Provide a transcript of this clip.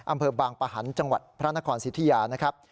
อำเภอบางปะหันต์จังหวัดพระนครสิทธิยานะครับ